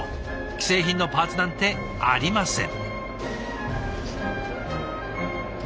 既製品のパーツなんてありません。